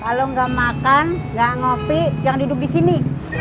kalo gak makan gak ngopi jangan duduk di sini